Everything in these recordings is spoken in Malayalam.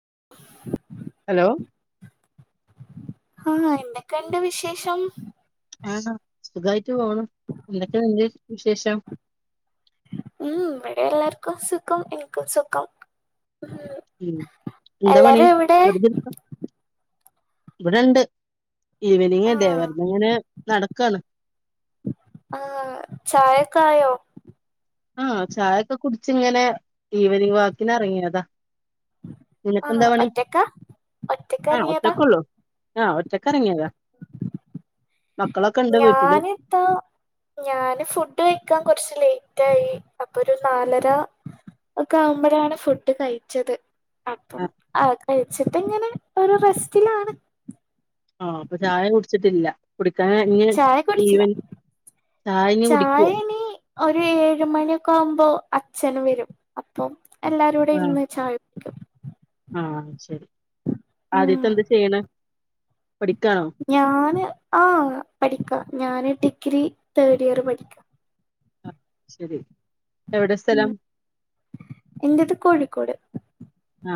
[inaudible] ഹലോ ആ എന്തൊക്കെ ഇണ്ട് വിശേഷം ആ സുഖായിട്ട് പോണു എന്തൊക്കെയ അന്റെ വിശേഷം ഉം വടെ എല്ലാർക്കും സുഖം എനിക്കും സുഖം ഉം എന്താ പണി എല്ലാരും എവിടെ വെറുതെ ഇരിക്ക ഇവിടെണ്ട് ഈവനിങ് അതെ ആഹ് വെറുത ഇങ്ങനെ നടക്കാണ് ആ ചായൊക്കെ ആയോ ആ ചായൊക്കെ കുടിച്ച ഇങ്ങനെ ഈവനിങ് വാക്കിന് എറങ്ങിയതാ നിനക്ക എന്താ ആഹ് പണി ഒറ്റക്കാ ഒറ്റക്ക് ആ ഇറങ്ങിയതാ ഒറ്റക്കൊള്ളൂ ആ ഒറ്റക്കറങ്ങിയതാ ഞാന് എത്താ ഞാന് ഫുഡ് കഴിക്കാൻ കുറച് ലൈ റ്റയി അപ്പൊ ഒരു നാലര ഒക്കെ ആവുമ്പോഴാണ് ഫുഡ് കഴിച്ചത് അപ്പം ആഹ് ആ കഴിച്ചിട്ട് ഇങ്ങനെ ഒരു റെസ്റ്റിലാണ് ആ അപ്പൊ ചായ കുടിച്ചിട്ടില്ല കുടിക്കാൻ ഇ ചായ കുടിച്ചില്ല ഈവൻ ചായ ഇഞ് കുടിക്കുവോ ഒരു ഏഴു മണിയൊക്കെ ആവുമ്പോ അച്ഛന് വരും അപ്പം എല്ലാരും കൂടെ ഇരുന്ന് ചായ ആ ശരി ആദ്യത്തെ ഉം എന്ത് ചെയ്യണ ഞാന് ആ പഠിക്കാ ഞാന് ഡിഗ്രി തേർഡ് ഇയർ പഠിക്കാ ആഹ് ശരി എവിടെ സ്ഥലം ഇന്റെത് കോഴിക്കോട് ആ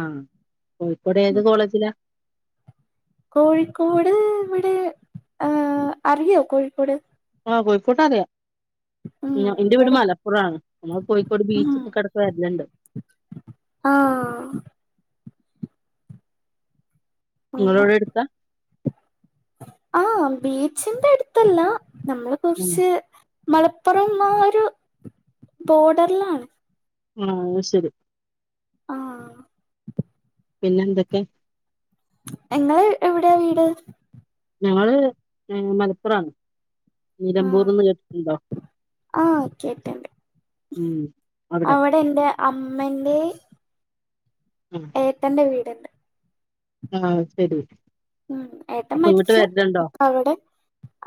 കോഴിക്കോട് ഏത് കോളേജിലാ കോഴിക്കോട് ഇവിടെ ആ അറിയോ കോഴിക്കോട് ആ കോഴിക്കോട് അറിയാ ഉം എന്റെ വീട് ഇവിടെ മലപ്പുറാണ് നമ്മൾ കോഴിക്കോട് ഉം ബീച്ചക്ക എടക്ക് വരലണ്ട് [inaudible] ആ നിങ്ങളവിടെ അടുത്താ ആ ബീച്ചിന്റെ അടുത്തല്ല നമ്മള് ഉം കുറച്ച് മലപ്പുറമാരു ബോർഡറിലാണ് ആ ശരി ആ പിന്നെ എന്തൊക്കെ ഇങ്ങള് എവിടെയാ വീട് ഞങ്ങള് ഏ മലപ്പുറാണ് ആ നിലമ്പൂർന്ന് കേട്ടിട്ടുണ്ടോ ആ കേട്ടുണ്ട് ഉം അവിടെ എൻറെ അമ്മന്റെ ഏട്ടന്റെ വീട്ണ്ട് ആ ശരി ഉം ഏട്ടൻ അപ്പൊ ഇങ്ങട്ട് മരിച്ചു വരലുണ്ടോ അപ്പ അവിടെ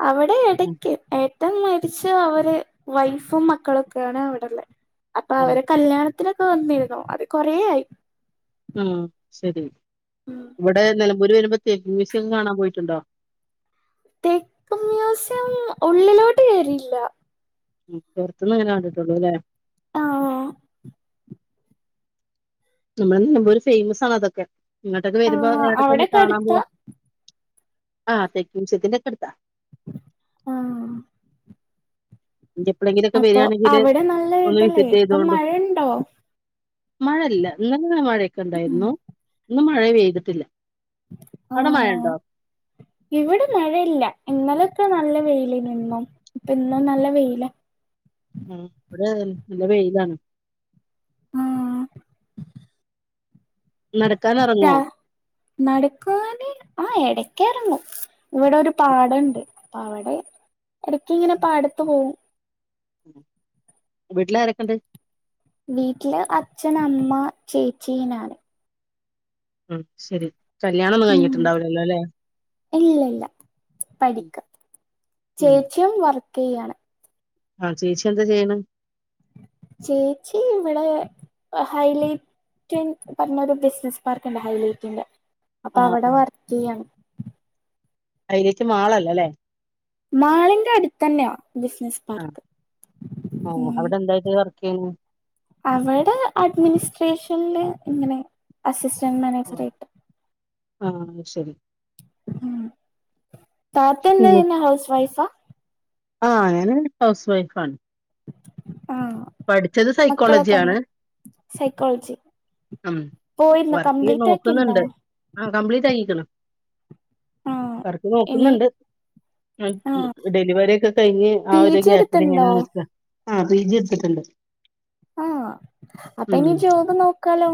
അവിടെ ഉം എടക്ക് ഏ ഏട്ടൻ മരിച്ച അവര് വൈഫും മക്കളൊക്കെയാണ് അവിടെള്ള അപ്പൊ ഉം അവരെ കല്യാണത്തി ത്തിനോക്കെ വന്നിരുന്നു അത് കൊറേ ആയി ഉം ശരി ഉം ഇവിടെ നിലമ്പൂര് വരുമ്പോ തേക്ക് മ്യൂസിയം കാണാൻ പോയിട്ടുണ്ടോ തെക്ക് മ്യൂസിയം ഉള്ളിലോട്ട് കേറില്ല ഉം പുറത്തന്ന് അങ്ങനെ കണ്ടിട്ടുള്ളൂ അല്ലേ ആഹ് നമ്മൾ നിലമ്പൂർ ഫേമസ് ആണ് അതൊക്കെ ഇങ്ങോട്ടൊക്കെ വരുമ്പോ ആഹ് അവിടെക്കെ ഒന്ന് അവിടൊക്കെ കാണാൻ അടുത്താ പോവാ ആഹ തേക്ക് മ്യൂസിയത്തിന്റെ ഒക്കെ അടുത്ത ആഹ ഇഞ് എപ്പോഴെങ്കിലുമൊക്കെ വരികയാണെങ്കില് അവിടെ നല്ല ഒന്ന് ഇതല്ലേ വിസിറ്റ് ഇപ്പം ചെയ്തോണ്ടു മഴയുണ്ടോ മഴ ഇല്ല ഇന്നലെ മഴയൊക്കെ ഉണ്ടായിരുന്നു ഇന്ന് മഴ പെയ്തിട്ടില്ല ഓ അവിടെ മഴ ഉണ്ടോ ഇവിടെ മഴയില്ല ഇന്നലെ ക്കെ നല്ല വെയില് നിന്നും ഇപ്പ ഇന്നും നല്ല വെയില. അ ഇവിടെ അതെ നല്ല വെയിലാ ണ്. ആ. നടക്കാൻ ഇറങ്ങുവോ [inaudible] നടക്കാന് ആ ഇട കെ ഇറങ്ങു ഇവിടെ ഒരു പാടണ്ട് അപ്പോ അവടെ ഇടക്ക് ഇങ്ങനെ പാടത്ത് പോവും. വീട്ടിലാരൊക്കെണ്ട്. വീട്ടില് അച്ഛന് അമ്മ ചേച്ചീ നാന്. ഉം ശരി കല്യാണം ഒന്നും ഉം കഴിഞ്ഞിട്ടണ്ടാവില്ലല്ലോ അല്ലെ. ഇല്ല ഇല്ല ഉം പഠിക്ക ചേച്ചിയും വർക്ക് ചെയ്യാണ്. അ ചേച്ചി എന്താ ചെയ്യെണ്. ചേച്ചിവിടെ ഹൈലൈ ടെ [unintelligible] പറഞ്ഞ ഒരു ബിസിനസ് പാർക്ക് ഉണ്ട് ഹൈലൈറ്റിന്റെ അപ്പൊ ആ അവിടെ വർക്ക് ചെയ്യാണ്. ഹൈലേറ്റ് മാളല്ലല്ലേ. മാളിന്റെ അടുത്ത് തന്നെയാ ബിസിനസ് ആ പാർക്ക്. ആ അവിടെ എന്തായിട്ട് വർക്ക് ചെയ്യുന്നു. അവടെ അഡ്മിനിസ്ട്രേഷ [unintelligible] ഇങ്ങനെ അസിസ്റ്റന്റ് മാനേജറായിട്ട്. ആ അത് ശരി. ഉം താത്ത ഉം. എന്തെയുന്ന് ഹൗസ് വൈഫാ. ആ ഞാന് ഹൗസ് വൈഫ് ആാണ്. ആഹ് പഠിച്ചത് സൈക്കോളജി മക്കളൊക്കെ ഉണ്ടോ ആണ്. സൈക്കോളജി. ഉം പോയിരുന്നോ വർക്ക് കംപ്ലീറ്റ് ആക്കിയിരുന്നോ നോക്കുന്നുണ്ട് ആ കംപ്ലീറ്റ് ആകിക്ണ്. ആഹ് വർക്ക് ഇനി നോക്കുന്നുണ്ട്. ആ ആഹ് ഡെലിവറി ഒക്കെ കഴിഞ്ഞ് പി ആ ഒരു ജി ഗ്യാപ്പില് എടുത്തുണ്ടോ ങ്ങനാ നിക്ക. ആ പി ജി എടുത്തിട്ടുണ്ട്. ആ അപ്പൊ ഇനി ജോബ് നോക്കാലോ.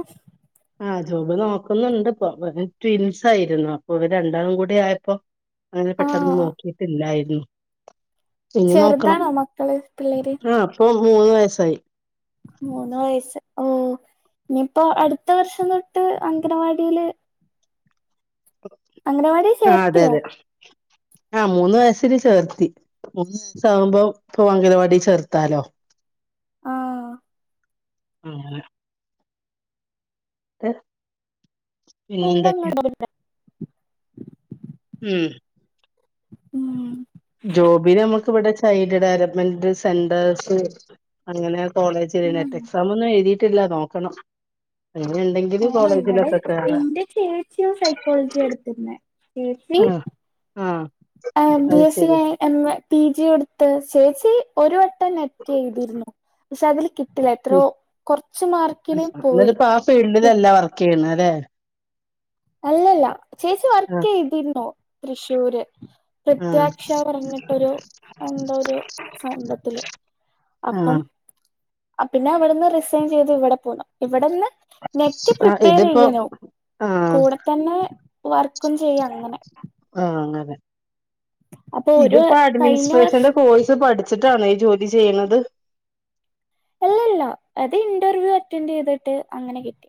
ആ ജോബ് നോക്കുന്നുണ്ട് ഇപ്പൊ ഇവര് ട്വിൻസ് ആയിരുന്നു അപ്പൊ ഇവര് രണ്ടാളും കൂടി ആയപ്പോ അങ്ങനെ പെട്ടെന്ന് ആഹ് നോക്കിട്ടില്ലായിരുന്നു. ഇനി നോക്കണം ചെറുതാണോ മക്കള് പിള്ളേര് ആ ഇപ്പൊ മൂന്ന് വയസായി. മൂന്ന് വയസ്സ് ഓ. ഇനിയിപ്പോ അടുത്ത വർഷം തൊട്ട് അംഗനവാടിയില് അംഗനവാടി ചേർത്തിയോ. ആ മൂന്ന് വയസ്സില് ചേർത്തി. മൂന്ന് വയസ്സ് ആവുമ്പോ ഇപ്പൊ അംഗനവാടി ചേർത്താലോ. ആ. ആ [unintelligible] [unintelligible] പിന്നെ ഉം എന്തൊക്കെയ. ഉം ഉം. ജോബിന് നമുക്കിവിടെ ചൈൽഡ് ഡെവലപ്മെന്റ് സെന്റേഴ്സ് അങ്ങനെ കോളേജില് നെറ്റ് എക്സാം ഒന്നും എഴുതിയിട്ടില്ല നോക്കണം. അങ്ങനെ ഉണ്ടെങ്കില് ആ ഇവിടെ കോളേജിലൊക്കെ കേറാ ഇന്റെ ചേച്ചിയും സൈക്കോളജിയ എടുത്തിരുന്നേ. ചേച്ചി. ആഹ് ആഹ് എ ബി അത് എസ് സി ശരി എം എ പി ജി കൊടുത്ത് ചേച്ചി ഒരു ഒരു വട്ടം നെറ്റ് എഴുതിയിരുന്നു പക്ഷെ അതില് കിട്ട ഉം പോയി സങതിപ്പ ആ ഫീൽഡിലല്ല വർക്ക് ചെയ്യ്ണെ അല്ലെ. അല്ലല്ല ചേച്ചി വർക്ക് ആഹ് ചെയ്തിരുന്നോ തൃശ്ശൂര്. ആഹ് പ്രത്യാക്ഷ പറഞ്ഞിട്ടൊരു എന്ത ഒരു സംൗഭത്തില് അപ്പം ആഹ് പിന്നെ അവിടെന്ന് റിസൈൻ ചെയ്ത് ഇവിടെ പോണം ഇവിടെന്ന് നെറ്റ് ആഹ് പ്രിപ്പയർ ഇതിപ്പോ ചെയ്യാന ആഹ് കൂടെ തന്നെ വർക്കും ചെയ്യും അങ്ങനെ ആഹ് അങ്ങനെ അപ്പൊ ഒരു ഇതിപ്പോ കഴിഞ്ഞ അഡ്മിനിസ്ട്രേഷന്റെ വർഷം കോഴ്സ് പഠി വച്ചിട്ടണ ഈ ജോലി ചെയ്യണുന്നത് അല്ലല്ലോ അത് ഇന്റർവ്യൂ അറ്റൻഡ് ചെയ്തിട്ട് അങ്ങനെ കിട്ടി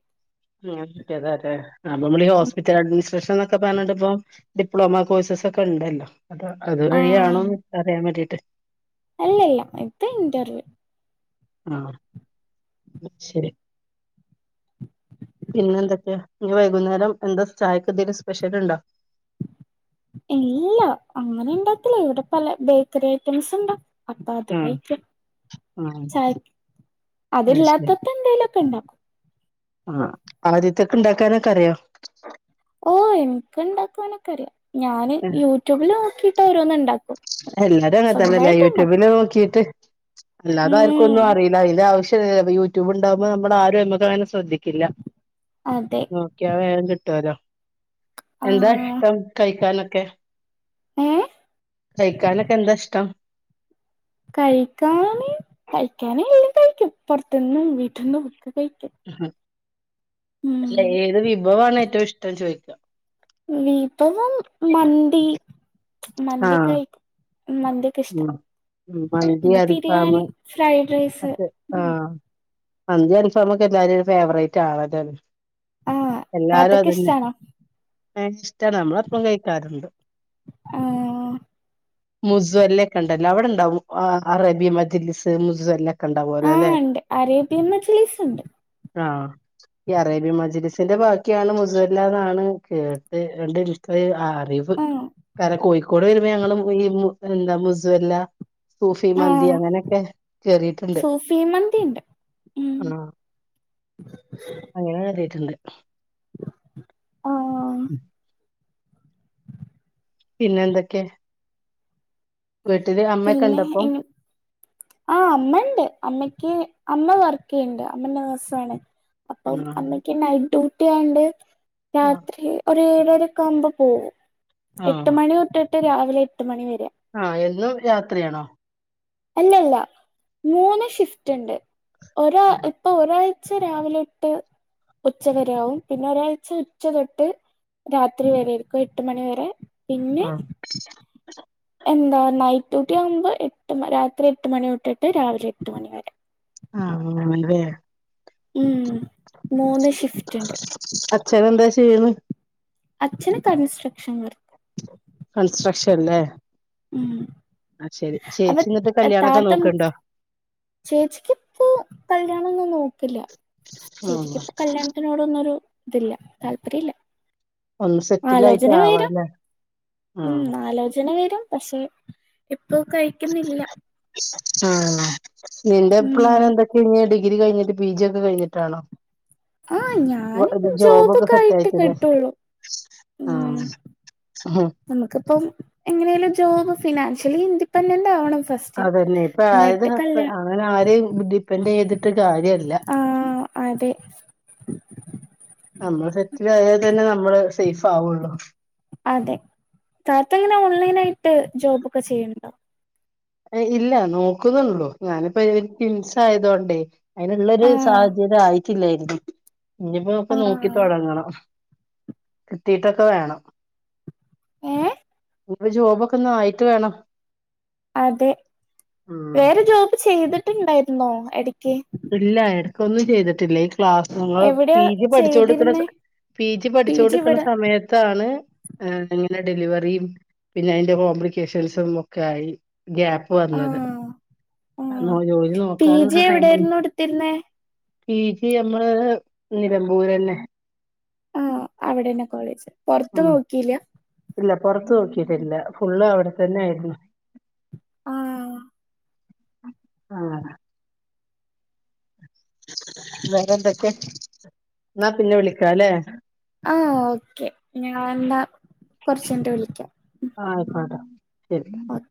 ഉ്ത അതെ അതെ അപ്പൊ നമ്മഈ ഹോസ്പിറ്റൽ അഡ്മിനിസ്ട്രേഷൻ എന്നൊക്കെ പറഞ്ഞണ്ട് ഇപ്പ ഡിപ്ലോമ കോഴ്സ് ഒക്കെ ഉണ്ടല്ലോ അ അത്വഴിയാണോന്ന് അറിയാൻ വേണ്ടിട്ട് അല്ല ഇല്ല ഇത് ഇന്റർവ്യൂ ആ ശരി പിന്നെന്തൊക്കെയ നൻ വൈകുന്നേരം എന്താ ചായക്ക ഇതിൻ സ്പെഷ്യൽ ഉണ്ടോ [inaudible] ഇല്ല അങ്ങനെ ഇണ്ടാത്തില്ല ഇവിടെ പല ബേക്കറി ഐറ്റംസ് ഉണ്ടോ അപ്പാ അത് ആഹ് കയിക്കും ആഹ് ചായ അതില്ലാത്തപ്പോ എന്തായലുംൊക്കെ ഉണ്ടാക്കും ആ ആദ്യത്തൊക്കെ ഇണ്ടാക്കാനൊക്കെ അറിയോ ഓ എനിക്ക് ഇണ്ടാക്കുവാനൊക്കെ അറിയാം ഞാന് യൂട്യൂബില് നോക്കിട്ട് ഓരോന്ന് ഇണ്ടാക്ക എല്ലാരും അങ്ങനത്തല്ലല്ലേ യൂട്യൂബില് നോക്കിട്ട് അല്ല അത ആർക്കൊന്നും ഉം അറിയില്ല അതില ആവശ്യ യൂട്യൂബ് ഇണ്ടാവുമ്പോ നമ്മൾ ആരുംക്ക ശ്രദ്ധിക്കില്ല അതെ നോക്കിയ വേറെം കിട്ടുവല്ലോ എന്താ ആഹ് ഇഷ്ടം കഴിക്കാനൊക്കെ ഏ കഴിക്കാനൊക്കെ എന്താ ഇഷ്ടം കഴിക്കാന കഴിക്കാനേ എല്ലാം കഴിക്കുംപ്പറത്തന്ന്ും വീട്ടിൽന്ന് വക്ക കഴിക്കും അല്ല ഉം ഏത് വിഭവ ഏറ്റവും ഇഷ്ടംന്ന് ചോദിക്കുക വിഭവം മന്തി മന്തി ആഹ് കഴിക്കും മദ്യക്ക് ഇഷ്ടം ഉം ഉം മന്തി അരിഫാമ ഫ്രൈഡ് റൈസ് അക്കെ ആ മന്തി ആൽഫ കെ എല്ലാരും ഫേവറേറ്റ് ആണല്ലോ ആ താത്തക്ക ഇഷ്ടണ അ ഇഷ്ടം നമ്മള അപ്പം കഴിക്കാറുണ്ട് ആഹ് മുസ്വല്ല കണ്ട അവിടെ ഉണ്ടാവും അറേബ്യ മജിസ് മുസ എല്ല ആഹ് ഉണ്ട് അരേബ്യ എന്ന മചിലീസ് ഉണ്ട് ആ ഈ അറേബ്യ മജലിസിന്റെ ബാക്കിയാണ് മുസല്ലാണ് കേട്ട് ര ഇ്ട അറിവ് ആഹ് കാരണം കോഴിക്കോട് വരുമ്പോ ഞങ്ങള് ഈ എന്താ മുസുല്ല സൂഫി മന്തി ആഹ് അങ്ങനെയൊക്കെ കേറിയിട്ടുണ്ട് സൂഫി മന്തി ഉണ്ട് ഉം ആ അങ്ങനെ കറിയിട്ടുണ്ട് ആഹ് ഉം പിന്നെന്തൊക്കെ പിന്നെ ഉണ്ടപ്പം ആഹ് അമ്മണ്ട് അമ്മക്ക് അമ്മ വർക്ക് ചെയ്യണ്ട് അമ്മ നേഴ്സാണ് അപ്പം ആഹ് അമ്മയ്ക്ക് നൈറ്റ് ഡ്യൂട്ടി ആണ്ട് ആഹ് രാത്രി ഒ ഏഴരക്കെ ആുമ്പ് പോകവും എട്ട മണി തൊട്ട് രാവിലെ എട്ട് മണിവ വരെ ആഹ എന്നും യാത്രയാണോ അല്ലല്ല മൂന്ന് ഷിഫ്റ്റ് ഉണ്ട് ഒരാ ആഹ് ഇപ്പൊ ഒരാൾ ഒച്ച രാവിലെ തൊട്ട് ഉച്ചവരാവും പിന്നെ ഒരാഴ്ച ഉച്ച തൊട്ട് രാത്രി വരെരിക്കും എട്ട് മണിിവരെ ആഹ എന്താ നൈറ്റ് ഡ്യൂട്ടി ആകുമ്പോ എട്ട് രാത്രി എട്ട് മണി തൊട്ടിട്ട് രാവിലെ എട്ട് മണി വരെ ആഹ് ആല്ലതേ ഉം മൂന്ന് ഷിഫ്റ്റ് ഉണ്ട് അച്ഛനെന്താ ചെയ്യണേ അച്ഛന് കൻസ്ട്രക്ഷൻ വർക്ക് കൺസ്ട്രക്ഷൻല്ലേ ഉം ആഹ് ശരി അപ്പൊ ചേച്ചി എന്നിട്ട് കല്യാണൊക്കെ താത്തം നോക്കണ്ടോ ചേച്ചിക്ക്പ്പോ കല്യാണംന്ന് നോക്ക ല്ല ചേച്ചിക്ക് ഇപ്പ കല്യാണത്തിനോടൊന്നുംരു ഇതില്ല താല്പര്യ ഇല്ല ഒന്ന് സെറ്റിലായിട്ട് ആലോചന വരും ആവാല്ലേ ഉ ആലോചന വരും പക്ഷെ ഇപ്പൊ കഴിക്കുന്നില്ല ആഹ നിന്റെ പ്ലൻ ഉം എന്തൊക്കെ കഴിഞ്ഞ ഡിഗ്രി കഴിഞ്ഞിട്ട് പി ജി ഒക്കെ കഴിഞ്ഞിട്ടാണോ ആഹ് ഞാന് ഒരു ജോബൊക്കെ സെറ്റ ആയിട്ട് ആയിട്ടല്ലേ കെട്ടുള്ളൂ ഉം ആഹ നമുക്കിപ്പം എങ്ങനെലും ജോബ് ഫിനാൻഷ്യലി ഇൻഡിപെൻഡന്റ് ആവണം ഫസ്റ്റ് അതന്നെ ഇപ്പൊ ആത് എന്നിട്ട് കല്യാ അങ്ങനെ ആര ഡിപ്പെൻഡ് ചെയ്തിട്ട് കാര്യല്ല ആഹ് അതെ നമ്മള് സെറ്റില ആയൽ തന്നെ നമ്മള് സേഫ് ആവുള്ളോ അതെ തത്തങ്ങനെ ഓൺലൈൻ ആയിട്ട് ജോബൊക്കെ ചെയ്യുന്നുണ്ടോ ഇല്ല നോക്കുന്നുള്ളൂ ഞാനിപ്പോ റ്റിൻസ ആയതൊണ്ടേ അതിനനുള്ളരു ആഹ് സാഹചര്യം ത ആയിട്ടില്ലായിരുന്നു ഇനിയിപ്പോ നക്കെ നോക്കിട്ട് ആഹ് തുടങ്ങണം കിട്ടീട്ടൊക്കെ വേണം ഏ ഇ ജോബൊക്കെ ഒന്ന് ആയിട്ട് വേണം അതെ ഉം വേറെ ജോബ് ചെയ്തിട്ടുണ്ടായിരുന്നോ എ ഇല്ല ഇടക്കൊന്നും ചെയ്തിട്ടില്ലേ ക്ലാസ് നിങ്ങൾ എവിടെയാ പി ജി പഠിച്ചു കൊടുക്കുന്ന ചെയ്തിരുന്നേ പി ജി പഠിച്ചു കൊടുക്കണ സമയത്താണ് ആ ഇങ്ങനെ ഡെലിവറിയും പിന്നെ അതിന്റെ കോംപ്ലിക്കേഷൻസും ഒക്കെ ആയി ഗ്യാപ്പ് വഞ്ഞത് ആഹ് ന ജോലി നോക്കാനുള്ള ടൈം പിന്നെ കി ജി മ്മള് നിലമ്പൂരല്ലെ ആഹ അവിടെന്നെ കോളേജ് പൊറത്ത ഉം നോക്കില്ല ഇല്ല പൊറത്ത് നോക്കിട്ടില്ല ഫുള്ള് അവിടെത്തന്നെ ആയിരുന്നു ആഹ ആഹ വേറെ എന്തൊക്കെ എന്നാ പിന്നെ വിളിക്ക അല്ലേ ആ ഓക്കെ ഞൻ എന്താ കൊറച്ചട്ട വിളിക്കാം ആഹ ആയിക്കോട്ടോ ശരി ഓക്കെ